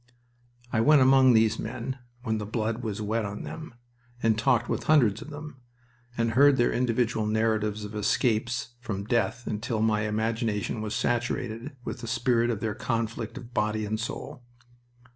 I went among these men when the blood was wet on them, and talked with hundreds of them, and heard their individual narratives of escapes from death until my imagination was saturated with the spirit of their conflict of body and soul.